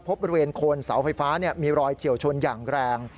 บริเวณโคนเสาไฟฟ้ามีรอยเฉียวชนอย่างแรง